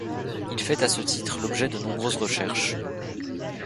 Il fait à ce titre l'objet de nombreuses recherches.